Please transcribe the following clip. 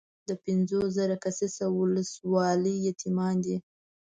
د پنځوس زره کسیزه ولسوالۍ یتیمان دي.